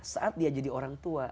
saat dia jadi orang tua